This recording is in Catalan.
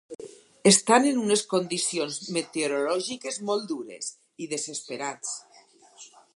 Estan en unes condicions meteorològiques molt dures i desesperats.